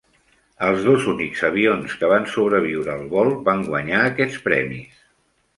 Els dos únics avions que van sobreviure al vol van guanyar aquests premis.